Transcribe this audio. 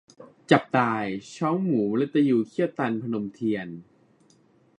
จับตาย : ช้องหมู มฤตยูเขี้ยวตัน - พนมเทียน